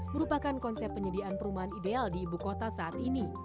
merupakan konsep penyediaan perumahan ideal di ibu kota saat ini